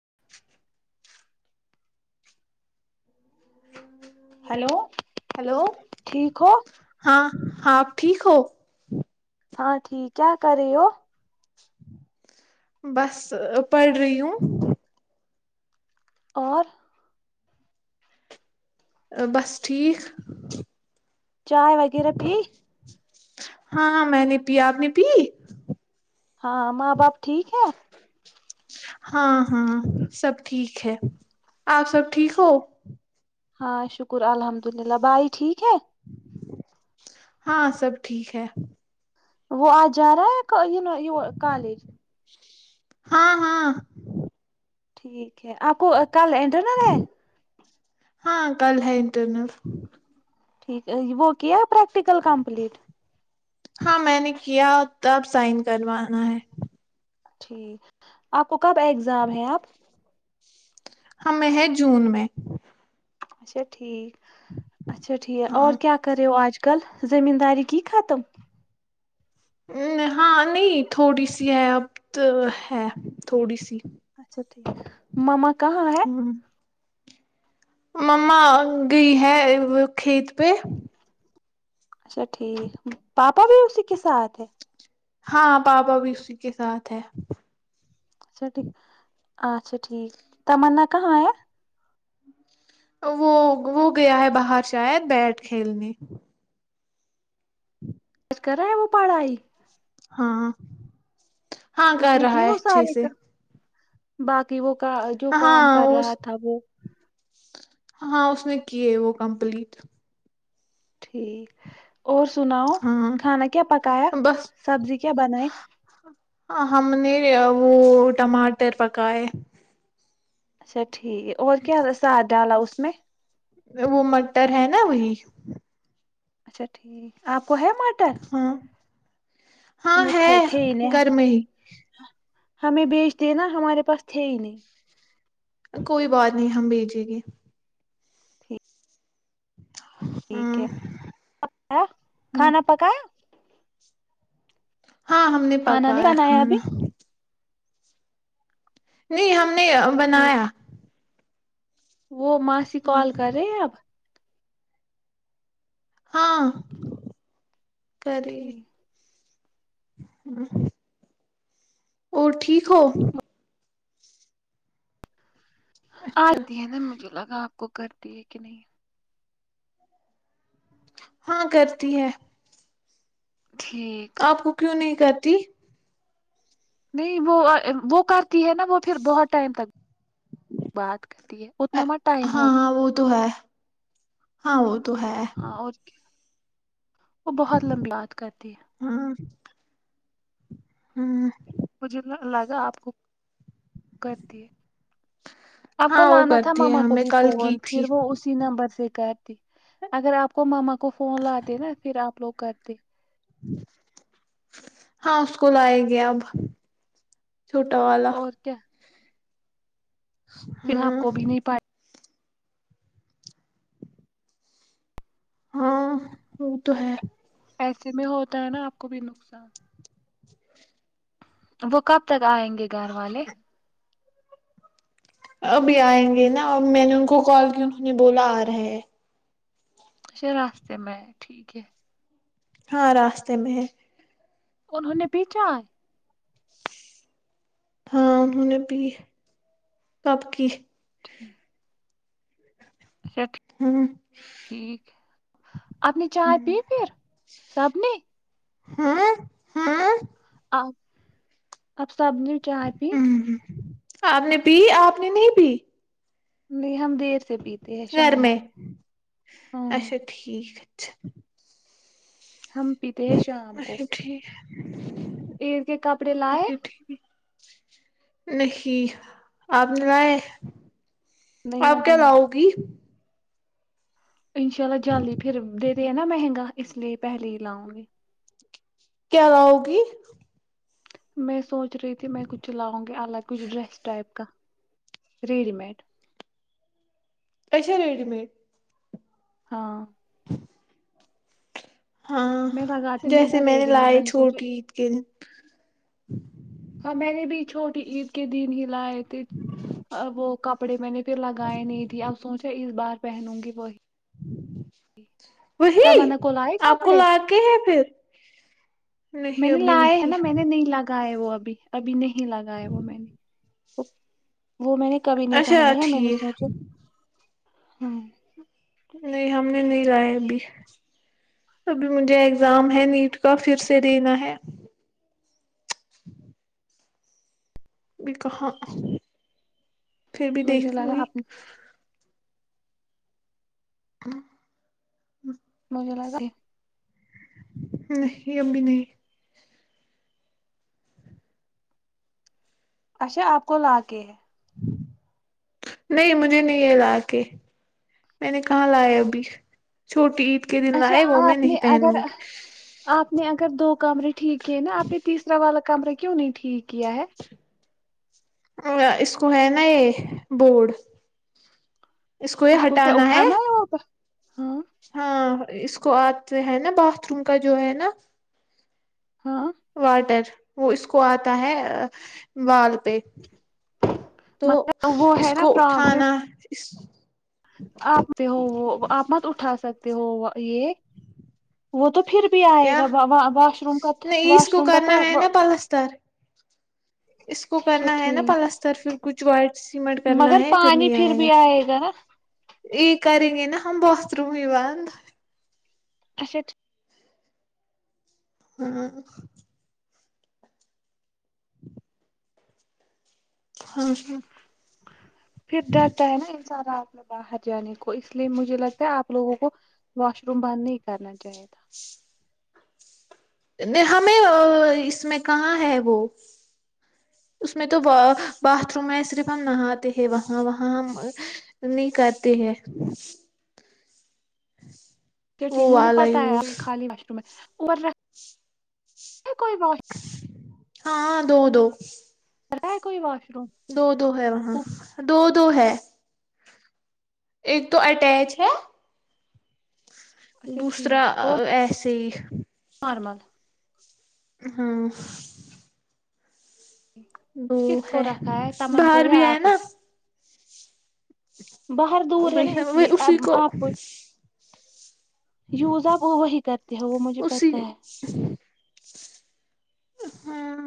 [inaudible] hello hello hello ٹھیک ہو ہاں ہاںپ ٹھیک ہو ہاں ٹھیک کیا کر رہے ہو بس پڑھ رہی ہوں اور بس ٹھیک چائے وغیرہ پھی ہاں میں نے پ آپ نے پی ہاں ماں باپ ٹھیک ہے ہاں ہاں سب ٹھیک ہے آپ سب ٹھیک ہو ہاں شکر الحمد للہ بھائی ٹھیک ہے ہاں سب ٹھیک ہے وہ آج جا رہا ہے کالج ہاں ہاں ٹھیک آپ کو کل اینڈرن ہے ہاں کال ہےٹ ن ٹھیک ہے ج وہ کیا پریک ل کمپلیٹ ہاں میں نے کیا تب سائن کروانا ہے جٹھیک آپ کو کب اگزام ہے آپ ہمیں ہیں جون میں اچھا ٹھیک اچھا ٹھیک ہاں اور کیا کرے ہو آج کل زمینداری کی ختم ہاں نہیں تھوڑی سی ہے اب تو ہے تھوڑی سی اچھا ٹھیک ماما کہاں ہے ہ مما گئی ہے وہ کھیت پہ اچھا ٹھیک پاپا بھی اسی کے ساتھ ہے ہاں پاپا بھی اسی کے ساتھ ہے اچھاٹھیک اچھا ٹھیک تمننا کہاں ہے وہ وہ گیا ہے باہر شاید بیٹ کھیلنے کج کر رہے ہیں وہ پڑھائی ہاں ہاں کر رہا ہے اچھے سے بای وہ کا جو کام ہاں کر رہا اس تھا وہ ہاں اس نے کیے وہ کمپلیٹ ٹھیک اور سناؤ ہاں کھانا کیا پکایا سبزی کیا بنائے ہاں ہم نے وہ ٹماٹر پکائے [inaudible] ٹھیک ہے اور کیا ہے ساد ڈالا اس میں [unintelligible] وہ مٹر ہے نا وہی اچھا ٹھیک آپ کو ہےے مارٹر ہاں ہاں ہے گھر میں ہی ہمیں بیچ دینا ہمارے پاس تھے ہی نہیں کوئی بات نہیں ہم بھیجیں گے ٹھیک ہاں ہے کھانا پکا یا ہاں ہم نے کھانا نہیں پکایا بنایا ابھی کھانا نہیں ہم نے ٹھیک بنایا وہ ماسی ہاں کال کر رہے اب ہاں کری [unintelligible] ٹھیک ہ اور ٹھیک [unintelligible] سیکھو [unintelligible] اچھا آتے ہیں نا مجھے لگا آپ [unintelligible] کو کرتی ہے کہ نہیں [unintelligible] ہاں کرتی ہے [unintelligible] ٹھیک آپ کو کیوں نہیں کرتی [unintelligible] نہیں وہ وہ کرتی ہے نا وہ پھر بہت ٹائم تک بات کرتی ہے اتنا م ٹائم ہو ہ [unintelligible] تو ہے [unintelligible] اور وہ بہت لمبلات کرتی ہے [unintelligible] ہوں [unintelligible] مجھے لگا آپ کو [unintelligible] کرتی آپ ہاں کو وہ لانا تھا کرتی ہے ماما کو ہمیں بھی کل کی فون تھی پھر وہ اسی نمبر سے کر [unintelligible] اگر آپ کو ماما کو فون ل د نا پھر آپ لوگ کرتے ہاں اس کو لائے گے اب [unintelligible] چھوٹا والا فی ہاں الحپ کو بھی نہیں پائے ہاں وہ تو ہے ایسے میں ہوتا ہے نا آپ کو بھی نقصان وہ کب تک کیا آئیں گے گھر والے ابھی آئیں گے نا اور میں نے ان کو کال کی انہوں نے بولا آ رہا ہے اچھا راستے میں ٹھیک ہے ہاں راستے میں ہے انہوں نے پیچھا ہاں انہوں نے پی کب کی ٹھیک اچھا ہ ٹھیک اپنی چائے پ ہ پھر سبنی ہاں ہاں اب سبزی چائے پ آپ نے پی آپ نے نہیں پی نہیں ہم دیر سے پیتے ہیں گھر شام میں کو ہاں اچھا ٹھیک اچ ہم پیتے ہیں شام کو اچھا ٹھیک ا کے کپڑے لائے اچھا ٹھیک نہیں آپ نے لئے نہیں آپ ابھی کیا نہیں لاؤ گی انشاء اللہ جل پھر دے د ہے نا مہنگا اس لیے پہلے ہی لاؤ گی کیا ل ہوگی میں سوچ چ رہی تھی میں کچھ چلاؤں گی الگ کچھ ڈریس ٹائپ کا ریڈی مڈ اچا ریڈی میڈ ہاں ہاں میں لگاتی نہیں جیسے نا میں نے ریڈی میڈ لائے چھوٹ سوچا کی عید کے دن ہاں میں نے بھی چھوٹی عید کے دن ہی لائے تھے وہ کپڑے میں نے لگائے نہیں تھھی اب سوچا اس بار پہنوں گی وہی جی وہی تمنا کو لائے آپ کو کپڑے لا کے ہے پھر نہیں ابھی نہیں گ ہے وہ ابھی ابھی نہیں ہی لگایا وہ میں نے ا وہ میں نے کبھی نہیں اچھا پہنی ہے میں نے ٹھیک سوچا ہاں [unintelligible] نہیں ہم نے نہیں لاائے ابھی ابھی مجھے اگزام ہے نیٹ [unintelligible] کا پھر سے اچھا ٹھیک دینا ہے [unintelligible] [inaudible] بھی کہاں پھر بھی مجھے دیکھوں لگا گی آپ نے، ہ [unintelligible] م لگ [unintelligible] نہیں ابھی نہیں [unintelligible] اچھا آپ کو لا کے ہے [unintelligible] نہیں مجھے نہیں ہے لا کے میں نے کہاں لاائے ابھی چھوٹی ہی [unintelligible] کے دن اچھا آئے وہ میں آپ نہیں پہنوں گی کر دو [unintelligible] کمرے ٹھیک ہے نا اپنے تیسرا والا [unintelligible] کمرہ کیوں نہیں ٹھیک کیا ہے [unintelligible] ا اس کو ہے نا یہ بورڈ اس کو یہ ہٹانا ہے ہاں ہاں اس کو آتے ہے نا باتھ روم کا جو ہے نا ہاں واٹر [unintelligible] وہ اس کو آتا ہے وال پہ تو مگر وہ اس کو اٹھانا [unintelligible] اس [unintelligible] آپتے ہو وہ آ مت اٹا س ہو یہ وہ تو پھر بھی آئے کیا گا واش روم کا نہیں اس واش کو روم کا تو کرنا ہے نا پلستر اس کو اچھا کرنا ہے نا ٹھیک پلستر پھر کچھ وائٹ سیمٹ کرنا مگر ہے پھر پانی نہیں آئے گا بھی نا یہ کریں گے نا ہم بااتھ روم ہی ہی بند [unintelligible] ہاں [inaudible] ہاں ہاں پھر ڈرتا ہے نا انسا رات باہر جانے کو اس لیے مجھے لگتا ہے آپ لوگوں کو واش روم بند نہیں کرنا چاہیے تھا ہمیں اس میں کہاں ہے وہ اس میں تو باتھ روم ہے صرف ہم نہاتے ہیں وہاں وہاں ہم نہیں کرتے ہیں [inaudible] چا ٹھیک وہ ہے مجھے والا پتا یوز ہے خالی مشروم ہے اور رکھ کوئی بش ہاں دو دو رہ کوئی ماش دو دو ہے وہ ہاں دو دو ہے ایک تو اٹیچ ہے اچھا دوسرا ٹھیک اور ایسے ہی نارمل ہاں وہ کس ہے کو رکھا ہے تمن کو باہر بھی یا ہےئے آپ نا کو باہر دور ب ہے نا اس وہ لیے اب اسی کو آپ یوز آپ وہی کرتے ہو وہ مجھے اسی پت ہے ہ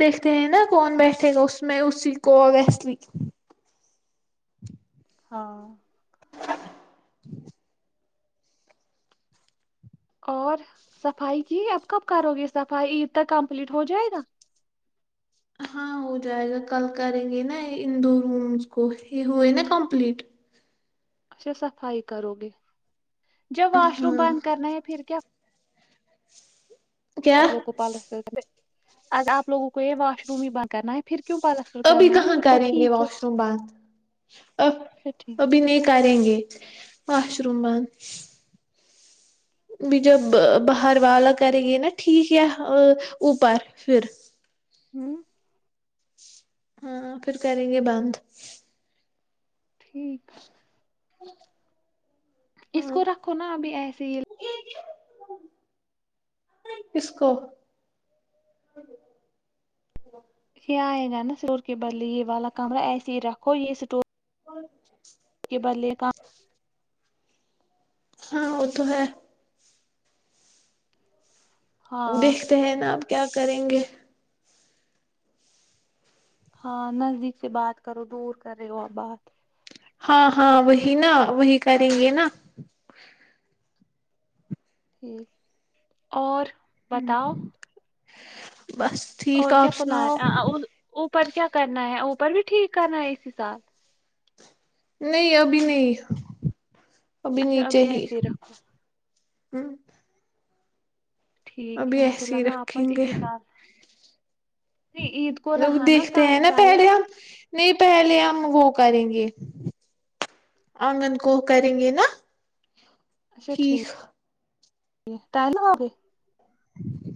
دیکھتے ہیں نا کون بیٹھے گا اس میں اسی کو ویسلی ہاں اور صفائی کی اپ کب کرو گے صفائی عید تک کمپلیٹ ہو جائے گا ہاں ہو جائے گا کل کریں گے نا انڈور رومس کو یہ ہوئے نا کمپلیٹ اچھا صفائی کرو گے جب واش روم ہاں بند کرنا ہے پھر کیا کیا آپ لوگ کو پالس ا آپ لوگوں کو یہ واش روم ہی بند کرنا ہے پھر کیوں پلستر ابھی کرنا ہے کہاں پھر تو کریں گے ٹھیک ہے واش روم بات ا اچھا ٹھیک ابھی نہیں کریں گے واش روم بند بھی جب باہر والا کرے گی نا ٹھیک ہے اوپر پھر ہوں ہاں پھر کریں گے بند ٹھیک [unintelligible] اس ہاں کو رکھو نا ابھی ایسے ہی اسسکو یہ آئے گا نا اسٹور کے بدلے یہ والا کمرا ایسے ہی رکھو یہ اسٹور اور اس کے بدلے کام ہاں وہ تو ہے وہ ہاں دیکھتے ہیں نا آپ کیا کریں گے ہاں نزدیک سے بات کرو دور کر رہے ہو آپ بات ہاں ہاں وہی نا وہی کریں گے نا ٹھیک اور بتاؤ بس ٹھیک اور کیا آپ پلان سناؤ اوپر کیا کرنا ہے کپر بھی ٹھیک کرنا ہے اسی ساتال نہیں ابھی نہیں ابھی اچھا نیچے ہی ایسے رکھو ہاں ٹھیک ہے مجھے ہی لگا آپ میں رکھیں گے اسی سال نہیں عید کو رہا دیکھتے کام ہیں نا ٹائل پہلے ہم نہیں پہلے ہم وہ کریں گے آنگن کو کریں گے نا ٹھیک ٹائم لگا کے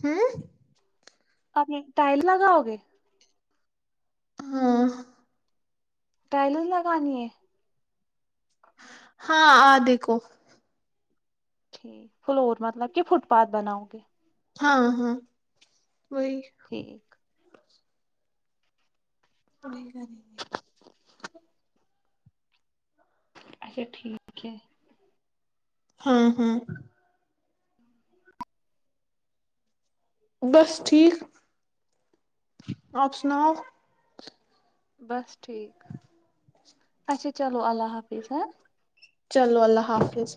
ہاں ا ٹائل لگاؤ گے ہاں ٹائلز لگانی ہے ہاں آ دیکھو ٹھیک فلور مطلب کہ فٹ پاتھ بناؤ گے ہاں ہاں وہئی ٹھیک بڑھیک اچھا ٹھیک ہے ہاں ہاں بس ٹھیک آپ سناؤ بس ٹھیک اچھا چلو اللہ حافظ ہاں لہ چلو اللہ حافظ